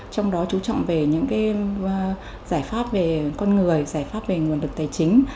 trong đó chú trọng về những giải pháp về con người giải pháp về nguồn lực tài chính